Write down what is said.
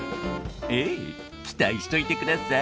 ええ期待しといてください。